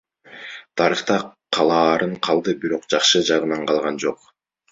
Тарыхта калаарын калды, бирок жакшы жагынан калган жок.